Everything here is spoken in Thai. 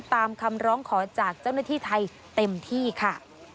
ตามคำร้องขอจากเจ้าหน้าที่ไทยเต็มที่ค่ะ